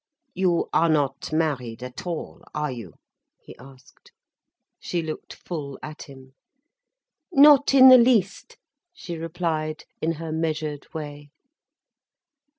"You are not married at all, are you?" he asked. She looked full at him. "Not in the least," she replied, in her measured way.